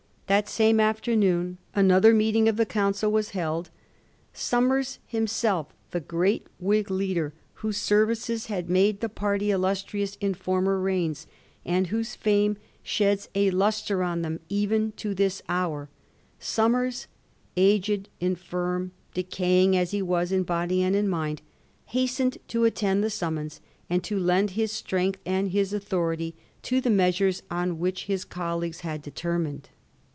That same afternoon another meeting of the Council was held. Somers himself, the great Whig leader whose services had made the party illustrious in former reigns, and whose £sime sheds a lustre on them even to this hour — Somers, aged, infirm, decaying as he was in body and in mind — hastened to attend the summons, and to lend his strength and his authority to the measures on which his colleagues had determined.